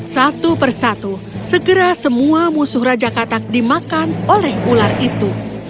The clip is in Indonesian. satu persatu segera semua musuh raja katak dimakan oleh ular itu